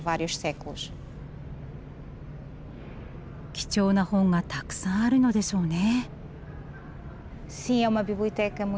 貴重な本がたくさんあるのでしょうね。